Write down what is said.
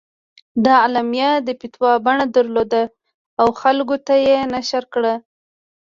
دا اعلامیه د فتوا بڼه درلوده او خلکو ته یې نشر کړه.